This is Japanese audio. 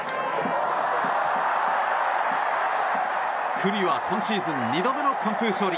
九里は今シーズン２度目の完封勝利。